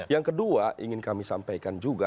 yang kedua ingin kami sampaikan juga